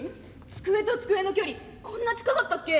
机と机の距離こんな近かったっけ？